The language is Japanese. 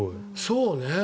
そうね。